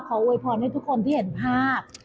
โวยพรให้ทุกคนที่เห็นภาพ